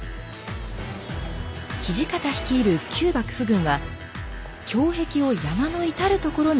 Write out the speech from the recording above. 土方率いる旧幕府軍は胸壁を山の至る所に築きました。